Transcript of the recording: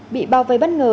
bị bao vây bất ngờ